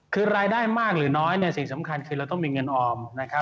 คือรายได้มากหรือน้อยสิ่งสำคัญคือเราต้องมีเงินออม